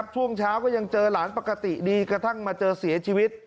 ช่วงเช้าก็ยังเจอหลานปกติดีกระทั่งมาเจอเสียชีวิต